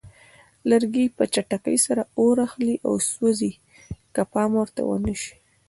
لرګي په چټکۍ سره اور اخلي او سوځي که پام ورته ونه شي.